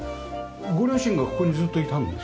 ご両親がここにずっといたんですか？